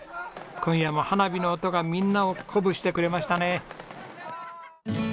今夜も花火の音がみんなを鼓舞してくれましたね。